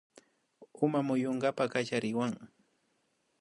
Uma muyunkapakmi kallariwan